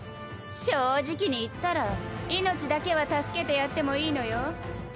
正直に言ったら命だけは助けてやってもいいのよ。